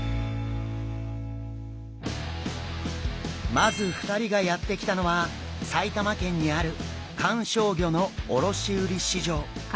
まず２人がやって来たのは埼玉県にある観賞魚の卸売市場。